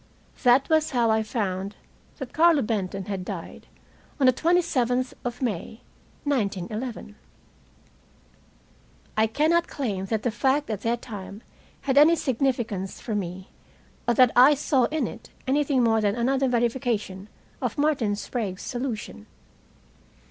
That was how I found that Carlo Benton had died on the 27th of May, 1911. I cannot claim that the fact at the time had any significance for me, or that I saw in it anything more than another verification of Martin Sprague's solution.